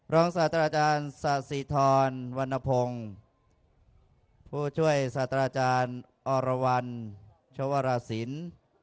ศาสตราจารย์ศาสิทรวรรณพงศ์ผู้ช่วยศาสตราจารย์อรวรรณชวราศิลป์